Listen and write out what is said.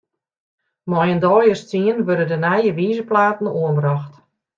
Mei in deis as tsien wurde de nije wizerplaten oanbrocht.